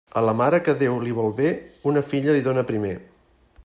A la mare que Déu li vol bé, una filla li dóna primer.